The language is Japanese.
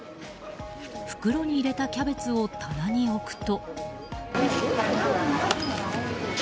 袋に入れたキャベツを棚に置くと。